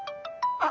あっ。